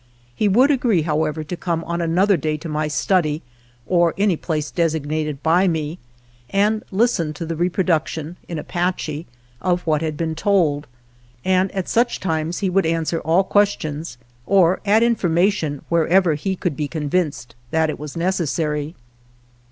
He would agree, however, to come on another day to my study, or any place designated by me, and listen to the reproduction (in Apache) of what had been told, and at such times would answer all questions or add information wherever he could be convinced that it was necessary.